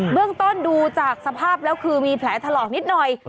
เรื่องต้นดูจากสภาพแล้วคือมีแผลถลอกนิดหน่อย